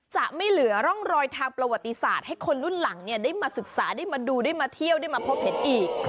จะไม่เหลือร่องรอยทางประวัติศาสตร์ให้คนรุ่นหลังได้มาศึกษาได้มาดูได้มาเที่ยวได้มาพบเห็นอีก